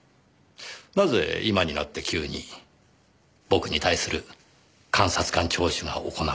なぜ今になって急に僕に対する監察官聴取が行われたのか。